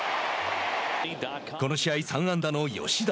この試合、３安打の吉田。